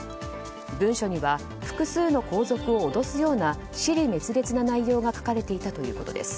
文書には複数の皇族を脅すような支離滅裂な内容が書かれていたということです。